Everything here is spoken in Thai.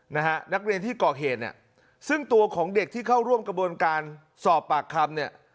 นักเรียนที่ก่อเหตุเนี่ยซึ่งตัวของเด็กที่เข้าร่วมกระบวนการสอบปากคำเนี่ย